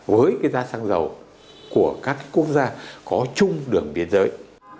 với cái giá xăng dầu của các quốc gia có chung đường biên giới